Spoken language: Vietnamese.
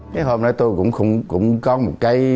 cái hôm nay tôi cũng có một cái